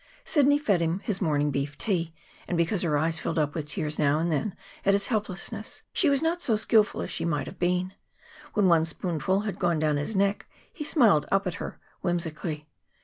Sidney fed him his morning beef tea, and, because her eyes filled up with tears now and then at his helplessness, she was not so skillful as she might have been. When one spoonful had gone down his neck, he smiled up at her whimsically.